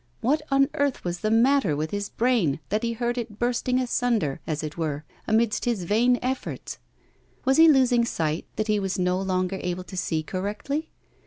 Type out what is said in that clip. What on earth was the matter with his brain that he heard it bursting asunder, as it were, amidst his vain efforts? Was he losing his sight that he was no longer able to see correctly?